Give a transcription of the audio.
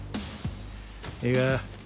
いいか？